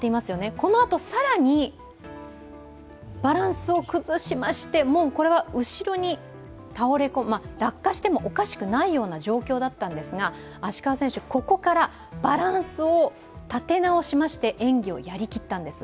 このあと更にバランスを崩しましてもう、これは後ろに倒れ込む、落下してもおかしくないような状況だったんですが、ここからバランスを立て直しまして演技をやりきったんです。